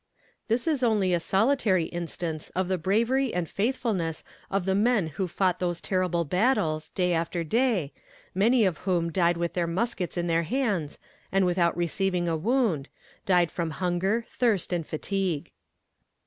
This is only a solitary instance of the bravery and faithfulness of the men who fought those terrible battles, day after day, many of whom died with their muskets in their hands, and without receiving a wound, died from hunger, thirst, and fatigue.